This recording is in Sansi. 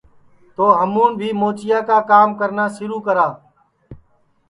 تو ہمون بھی موچیا کا کرنا سِرو کرا